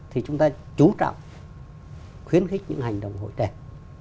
thì chúng ta chú trọng khuyến khích những hành động hội trè